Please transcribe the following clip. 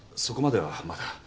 そこまではまだ。